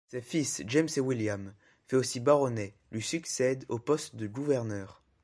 Ses fils James et William, fait aussi baronnets, lui succèdent au poste de gouverneur.